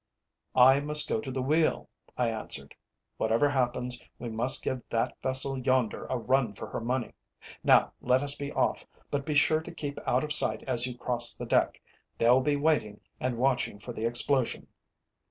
"I must go to the wheel," I answered. "Whatever happens, we must give that vessel yonder a run for her money. Now let us be off, but be sure to keep out of sight as you cross the deck. They'll be waiting and watching for the explosion."